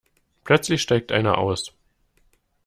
Plötzlich steigt einer aus.